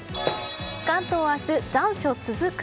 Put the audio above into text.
関東明日、残暑続く。